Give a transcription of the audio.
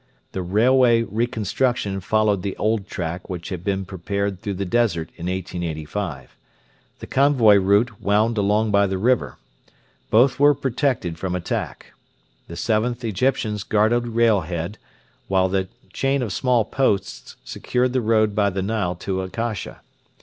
The railway reconstruction followed the old track which had been prepared through the desert in 1885. The convoy route wound along by the river. Both were protected from attack. The 7th Egyptians guarded Railhead, while the chain of small posts secured the road by the Nile to Akasha.